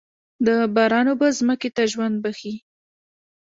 د باران اوبه ځمکې ته ژوند بښي.